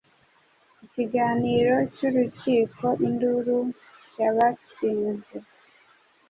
Ikiganiro cyurukikoinduru yabatsinze